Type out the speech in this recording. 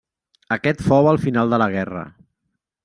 Aquest fou el final de la guerra.